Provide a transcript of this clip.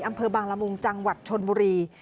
อำเภอบางละมุงจังหวัดชนบุรี